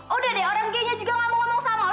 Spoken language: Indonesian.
udah deh orang g nya juga gak mau ngomong sama lo